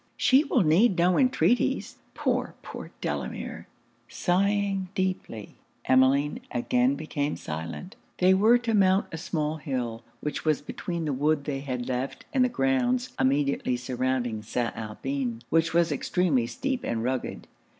'She will need no entreaties. Poor, poor Delamere!' sighing deeply, Emmeline again became silent. They were to mount a small hill, which was between the wood they had left and the grounds immediately surrounding St. Alpin, which was extremely steep and rugged.